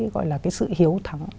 gọi là cái sự hiếu thắng